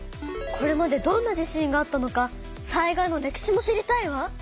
これまでどんな地震があったのか災害の歴史も知りたいわ！